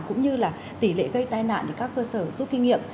cũng như là tỷ lệ gây tai nạn thì các cơ sở giúp kinh nghiệm